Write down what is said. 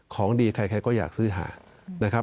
ของดีใครก็อยากซื้อหานะครับ